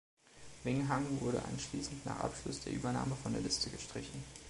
Wing Hang wurde anschließend nach Abschluss der Übernahme von der Liste gestrichen.